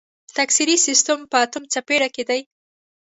تکثري سیستم په اتم څپرکي کې دی.